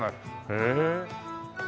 へえ。